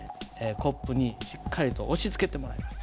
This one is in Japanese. コップにしっかりと押しつけてもらいます。